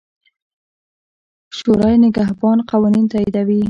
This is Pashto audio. شورای نګهبان قوانین تاییدوي.